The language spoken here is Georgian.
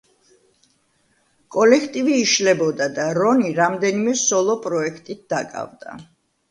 კოლექტივი იშლებოდა და რონი რამდენიმე სოლო პროექტით დაკავდა.